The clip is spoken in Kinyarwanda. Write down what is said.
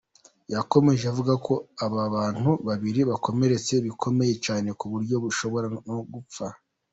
Yakomeje avuga ko aba bantu babiri bakomeretse bikomeye cyane ku buryo bashobora no gupfa.